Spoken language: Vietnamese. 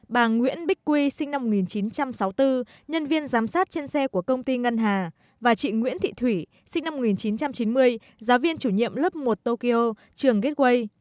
bà nguyễn bích quy sinh năm một nghìn chín trăm sáu mươi bốn nhân viên giám sát trên xe của công ty ngân hà và chị nguyễn thị thủy sinh năm một nghìn chín trăm chín mươi giáo viên chủ nhiệm lớp một tokyo trường gateway